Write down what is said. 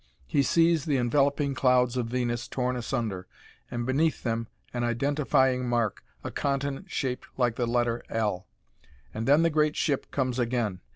He sees the enveloping clouds of Venus torn asunder, and beneath them an identifying mark, a continent shaped like the letter "L." And then the great ship comes again.